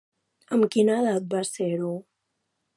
Amb quina edat va ser-ho?